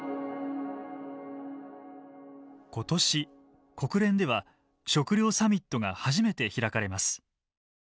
今年国連では食料サミットが初めて開かれます。